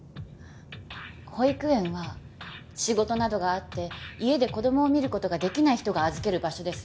保育園は仕事などがあって家で子供を見る事ができない人が預ける場所です。